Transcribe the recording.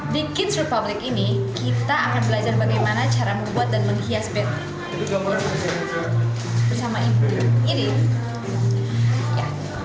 di kids republic ini kita akan belajar bagaimana cara membuat dan menghias bento bersama ibu